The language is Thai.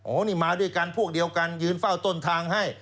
นี่มาด้วยกันพวกเดียวกันยืนเฝ้าต้นทางให้